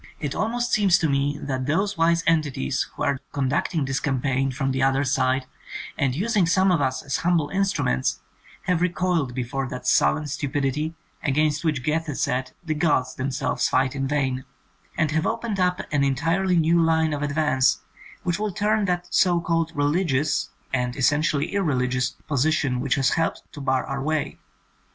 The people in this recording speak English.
It almost seems to me that those wise en tities who are conducting this campaign from the other side, and using some of us as humble instruments, have recoiled before that sullen stupidity against which Goethe said the gods themselves fight in vain, and have opened up an entirely new line of ad vance, which will turn that so called *' reli gious," and essentially irreligious, position, which has helped to bar our way.